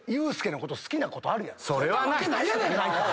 そんなわけないやないかアホ！